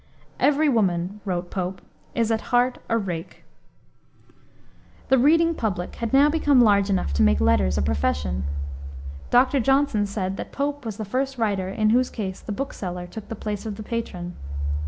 "Every woman," wrote Pope, "is at heart a rake." The reading public had now become large enough to make letters a profession. Dr. Johnson said that Pope was the first writer in whose case the book seller took the place of the patron.